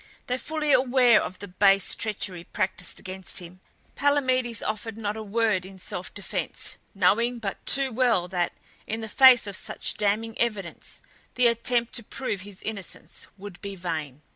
Though fully aware of the base treachery practised against him, Palamedes offered not a word in self defence, knowing but too well that, in the face of such damning evidence, the attempt to prove his innocence would be vain.